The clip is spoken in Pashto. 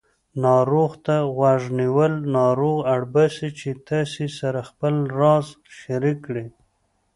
ناروغ ته غوږ نیول ناروغ اړباسي چې تاسې سره خپل راز شریک کړي